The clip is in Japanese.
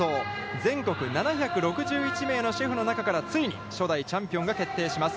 全国７６１名のシェフの中からついに初代チャンピオンが決定します。